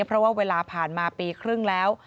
เพราะว่าเวลาผ่านมาปีครึ่งแล้ว